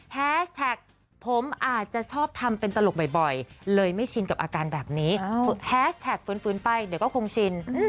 แฮชแท็กผมอาจจะชอบทำเป็นตลกบ่อยเลยไม่ชินกับอาการแบบนี้แฮสแท็กฟื้นไปเดี๋ยวก็คงชิน